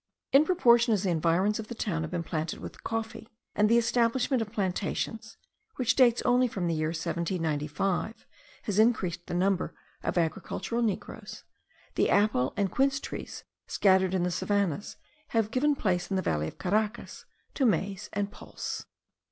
In proportion as the environs of the town have been planted with coffee, and the establishment of plantations (which dates only from the year 1795) has increased the number of agricultural negroes,* the apple and quince trees scattered in the savannahs have given place, in the valley of Caracas, to maize and pulse.